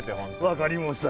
分かり申した。